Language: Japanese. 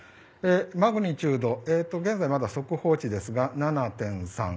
マグニチュードは、現在はまだ速報値ですが７．３。